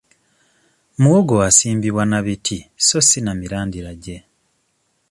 Muwogo asimbibwa na biti so si na mirandira gye.